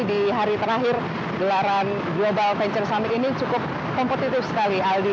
di hari terakhir gelaran global venture summit ini cukup kompetitif sekali aldi